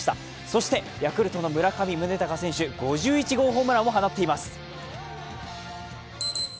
そしてヤクルトの村上宗隆選手５１号ホームランを放っています。